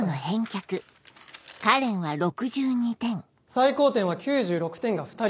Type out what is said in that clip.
最高点は９６点が２人。